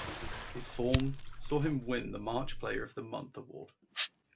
His form saw him win the March Player of the Month Award.